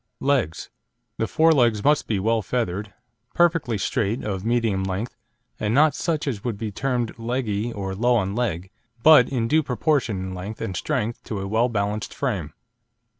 LEGS The fore legs must be well feathered, perfectly straight, of medium length, and not such as would be termed "leggy" or "low" on leg, but in due proportion in length and strength to a well balanced frame.